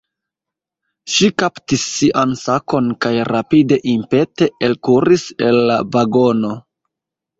Ŝi kaptis sian sakon kaj rapide impete elkuris el la vagono.